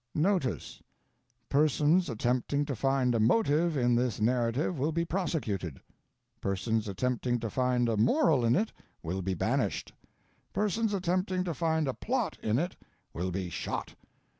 NOTICE. Persons attempting to find a motive in this narrative will be prosecuted; persons attempting to find a moral in it will be banished; persons attempting to find a plot in it will be shot.